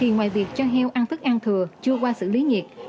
ngoài việc cho heo ăn thức ăn thừa chưa qua xử lý nhiệt